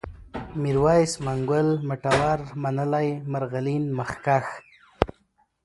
ميرويس ، منگول ، مټور ، منلی ، مرغلين ، مخکښ